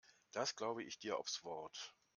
Das glaube ich dir aufs Wort.